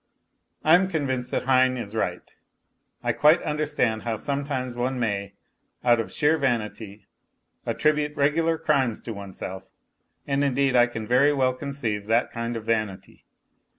I am convinced that Heine is right; I quite understand how sometimes one may, out of sheer vanity, attribute regular crimes to oneself, and indeed I can very well conceive that kind of vanity.